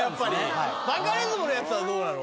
バカリズムのやつはどうなの？